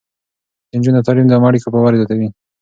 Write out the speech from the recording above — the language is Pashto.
د نجونو تعليم د عامه اړيکو باور زياتوي.